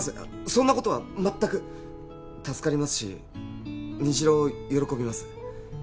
そんなことは全く助かりますし虹朗喜びます